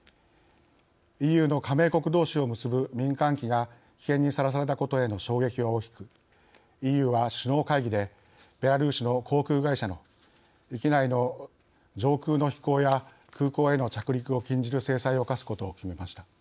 ＥＵの加盟国どうしを結ぶ民間機が危険にさらされたことへの衝撃は大きくＥＵは首脳会議でベラルーシの航空会社の域内の上空の飛行や空港への着陸を禁じる制裁を科すことを決めました。